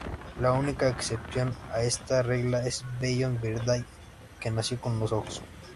La única excepción a esta regla es Beyond Birthday, que nació con los Ojos.